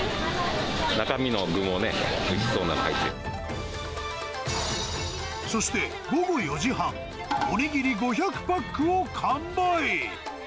中身の具もね、そして、午後４時半、お握り５００パックを完売。